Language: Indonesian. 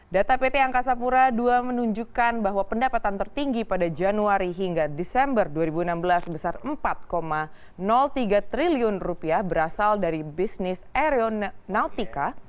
data pt angkasa pura ii menunjukkan bahwa pendapatan tertinggi pada januari hingga desember dua ribu enam belas sebesar rp empat tiga triliun berasal dari bisnis aereonnautica